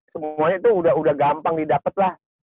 semuanya itu udah gampang didapat lah